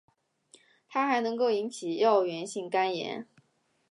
它还能够引起药源性肝炎。